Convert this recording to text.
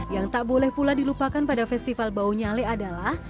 yang tak boleh pula dilupakan pada festival baunyale adalah